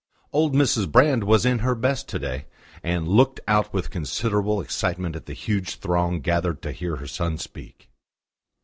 Old Mrs. Brand was in her best to day, and looked out with considerable excitement at the huge throng gathered to hear her son speak.